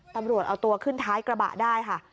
ตำรวจเอาตัวขึ้นท้ายกระบะได้ค่ะ